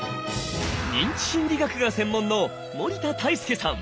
認知心理学が専門の森田泰介さん。